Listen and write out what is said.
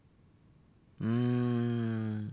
うん。